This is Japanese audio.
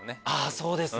そうですね。